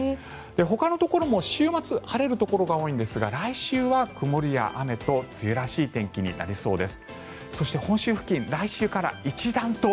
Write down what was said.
ほかのところも週末晴れるところが多いんですが来週は曇りや雨と梅雨らしい天気となりそうです。